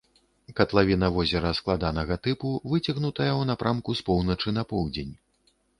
Катлавіна возера складанага тыпу, выцягнутая ў напрамку з поўначы на поўдзень.